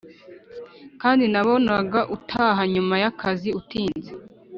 kandi nabonaga utaha nyuma yakazi utinze